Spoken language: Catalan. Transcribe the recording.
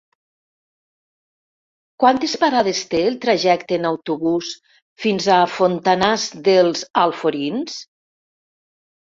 Quantes parades té el trajecte en autobús fins a Fontanars dels Alforins?